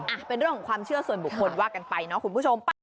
อ่ะเป็นเรื่องของความเชื่อส่วนบุคคลว่ากันไปเนาะคุณผู้ชมไป